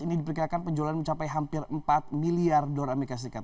ini diperkirakan penjualan mencapai hampir empat miliar dolar amerika serikat